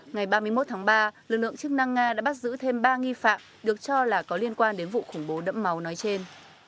ngày ba mươi một tháng ba lực lượng chức năng nga đã bắt giữ thêm ba nghi phạm được cho là có liên quan đến vụ khủng bố đẫm máu nói trên